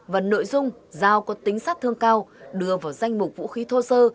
và nội dung dao có tính sát thương cao đưa vào danh mục vũ khí thô sơ